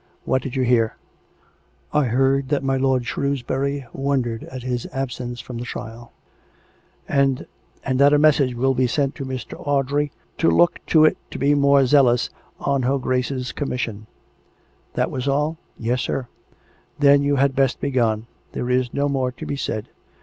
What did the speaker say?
" What did you hear .''"" I heard that my lord Shrewsbury wondered at his ab sence from the trial; and ... and that a message would be sent to Mr. Audrey to look tq it to be more zealous on her Grace's commission." "That was aU?" COME RACK! COME ROPE! 409 " Yes, sir." " Then you had best be gone. There is no more to be said.